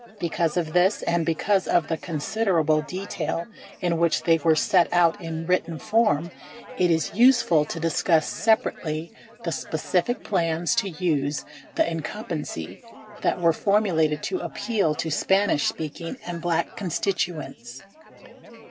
Because of this — and because of. the considerable detail in which they were set out in written form — it is useful to discuss separately the specific plans to use the incumbency that were formulated to appeal to Spanish speaking and black constituents.